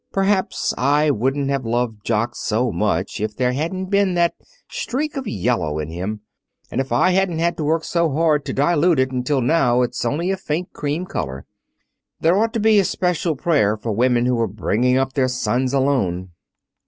Perhaps I wouldn't have loved Jock so much if there hadn't been that streak of yellow in him, and if I hadn't had to work so hard to dilute it until now it's only a faint cream color. There ought to be a special prayer for women who are bringing up their sons alone."